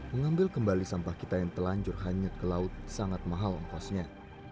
mengambil kembali sampah kita yang telanjur hanyut ke laut sangat mahal ongkosnya